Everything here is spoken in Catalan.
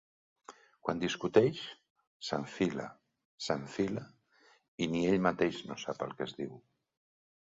Quan discuteix, s'enfila, s'enfila, i ni ell mateix no sap el que es diu.